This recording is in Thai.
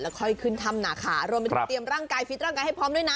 ค่อยขึ้นถ้ำหนาขารวมไปถึงเตรียมร่างกายฟิตร่างกายให้พร้อมด้วยนะ